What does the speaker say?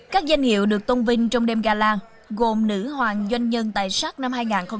các danh hiệu được tôn vinh trong đêm gala gồm nữ hoàng doanh nhân tài sắc năm hai nghìn hai mươi